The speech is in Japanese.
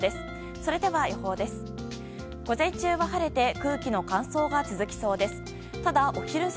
それでは予報です。